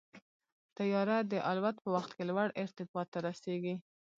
طیاره د الوت په وخت کې لوړ ارتفاع ته رسېږي.